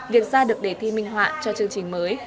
việc ra được đề thi minh họa cho chương trình mới